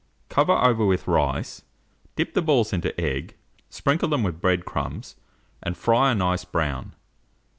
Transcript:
Cover over with rice, dip the balls into egg, sprinkle them with bread crumbs, and fry a nice brown.